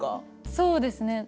そうですね